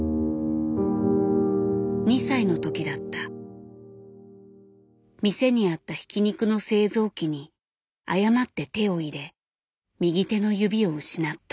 ２歳の時だった店にあったひき肉の製造器に誤って手を入れ右手の指を失った。